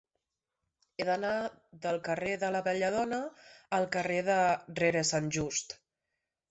He d'anar del carrer de la Belladona al carrer de Rere Sant Just.